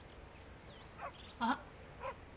「」あっ！